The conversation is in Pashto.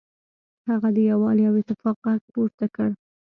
هغه د یووالي او اتفاق غږ پورته کړ.